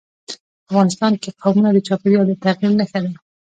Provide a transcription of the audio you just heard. افغانستان کې قومونه د چاپېریال د تغیر نښه ده.